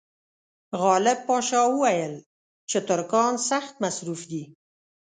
غالب پاشا وویل چې ترکان سخت مصروف دي.